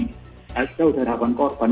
masih ada harapan korban